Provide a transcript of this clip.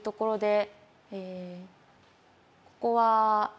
えここは。